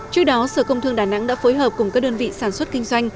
trước đó sở công thương đà nẵng đã phối hợp cùng các đơn vị sản xuất kinh doanh